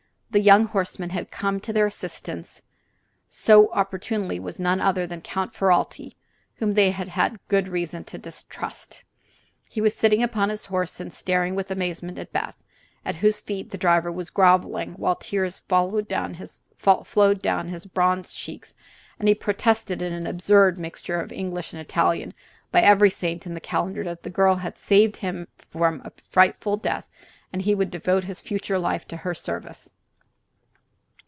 The young horseman who had come to their assistance so opportunely was none other than Count Ferralti, whom they had such good reason to distrust. He was sitting upon his horse and staring with amazement at Beth, at whose feet the driver was grovelling while tears flowed down his bronzed cheeks and he protested in an absurd mixture of English and Italian, by every saint in the calendar, that the girl had saved him from a frightful death and he would devote his future life to her service.